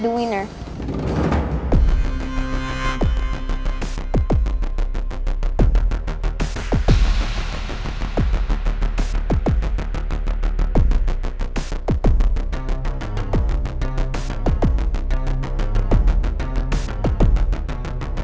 tepat buatrect ah ternyata